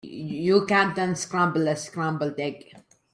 You can't unscramble a scrambled egg.